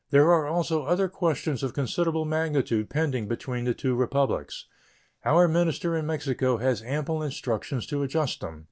There are also other questions of considerable magnitude pending between the two Republics. Our minister in Mexico has ample instructions to adjust them.